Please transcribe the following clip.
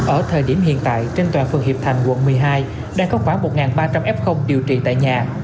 ở thời điểm hiện tại trên toàn phường hiệp thành quận một mươi hai đang có khoảng một ba trăm linh f điều trị tại nhà